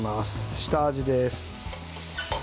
下味です。